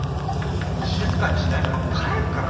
静かにしないなら帰るからな。